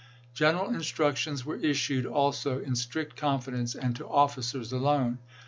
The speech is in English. General instructions were issued also, in strict confidence, and to officers alone.